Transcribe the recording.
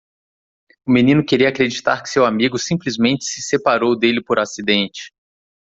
O menino queria acreditar que seu amigo simplesmente se separou dele por acidente.